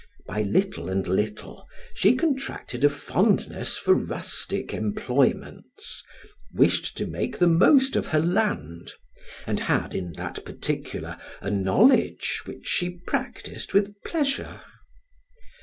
By little and little she contracted a fondness for rustic employments, wished to make the most of her land, and had in that particular a knowledge which she practised with pleasure.